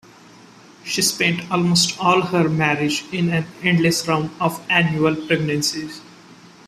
She spent almost all her marriage in an endless round of annual pregnancies.